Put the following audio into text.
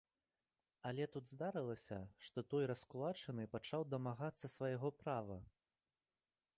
Але тут здарылася, што той раскулачаны пачаў дамагацца свайго права.